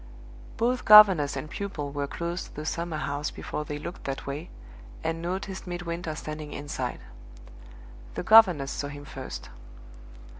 Both governess and pupil were close to the summer house before they looked that way, and noticed Midwinter standing inside. The governess saw him first.